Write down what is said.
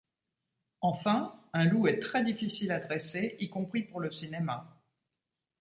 Enfin, un loup est très difficile à dresser, y compris pour le cinéma.